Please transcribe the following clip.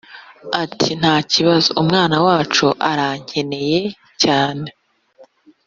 ati: "nta kibazo." "umwana wacu arankeneye cyane."